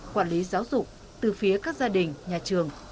quản lý giáo dục từ phía các gia đình nhà trường